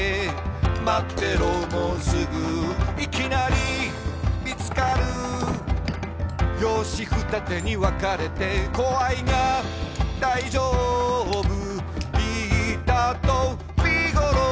「まってろもうすぐ」「いきなり見つかる」「よーしふたてにわかれて」「怖いが大丈夫」「ビータとビーゴロー！」